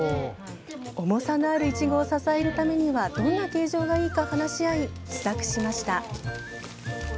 重さのあるいちごを支えるためにはどんな形状がいいか話し合い試作しました。